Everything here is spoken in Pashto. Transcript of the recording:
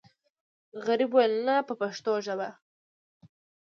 غریب وویل نه په پښتو ژبه.